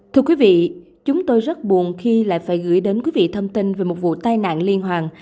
thưa quý vị chúng tôi rất buồn khi lại phải gửi đến quý vị thông tin về một vụ tai nạn liên hoàn